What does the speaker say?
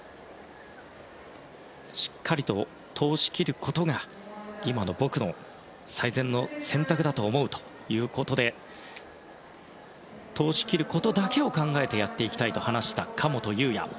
しっかりと通しきることが今の僕の最善の選択だと思うということで通し切ることだけを考えてやっていきたいと話した神本雄也。